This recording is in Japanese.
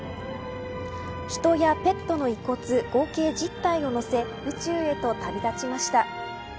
人やペットの遺骨合計１０体を乗せ宇宙へと旅立ちました。